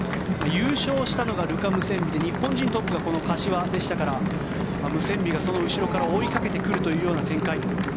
優勝したのがルカ・ムセンビで日本人トップがこの柏でしたからムセンビがその後ろから追いかけてくるという展開。